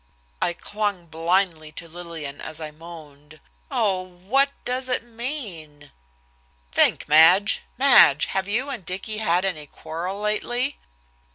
I clung blindly to Lillian as I moaned: "Oh, what does it mean?" "Think, Madge, Madge, have you and Dicky had any quarrel lately?"